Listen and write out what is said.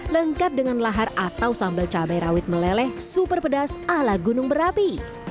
lengkap dengan lahar atau sambal cabai rawit meleleh super pedas ala gunung berapi